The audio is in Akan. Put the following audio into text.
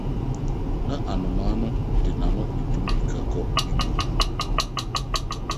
Ná anomaa no de n'ano na etu mmirika kɔ ne buw mu.